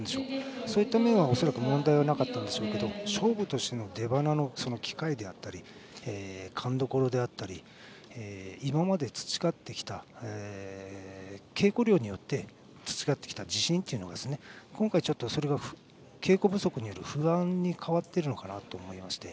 そういった面は恐らく問題はなかったんでしょうけど勝負としての出ばなの機会であったり勘どころであったり今まで培ってきた稽古量によって培ってきた自信が今回、ちょっとそれが稽古不足による不安に変わっているのかなと思いまして。